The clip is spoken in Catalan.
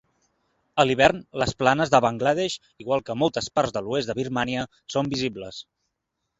A l'hivern, les planes de Bangladesh, igual que moltes parts de l'oest de Birmània, són visibles.